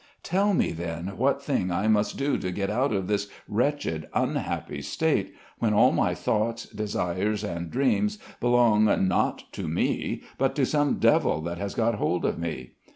Tell me then what thing I must do to get out of this wretched, unhappy state, when all my thoughts, desires, and dreams belong, not to me, but to some devil that has got hold of me?